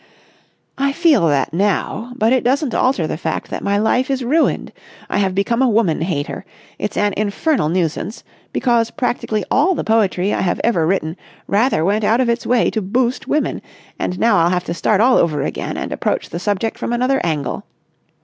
"I feel that now. But it doesn't alter the fact that my life is ruined. I have become a woman hater. It's an infernal nuisance, because practically all the poetry I have ever written rather went out of its way to boost women, and now I'll have to start all over again and approach the subject from another angle.